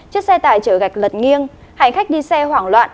chiếc xe tải chở gạch lật nghiêng hành khách đi xe hoảng loạn